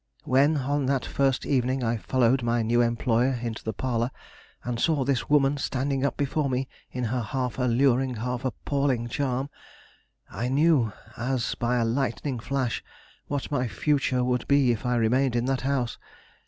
When, on that first evening, I followed my new employer into the parlor, and saw this woman standing up before me in her half alluring, half appalling charm, I knew, as by a lightning flash, what my future would be if I remained in that house.